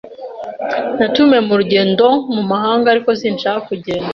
Natumiwe mu rugendo mu mahanga, ariko sinshaka kugenda.